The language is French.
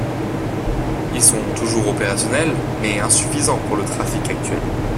Ils sont toujours opérationnels, mais insuffisants pour le trafic actuel.